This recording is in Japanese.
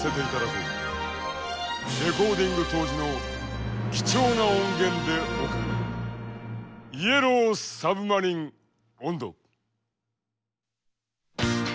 レコーディング当時の貴重な音源で送る「イエロー・サブマリン音頭」。